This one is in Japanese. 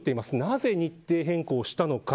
なぜ、日程変更をしたのか。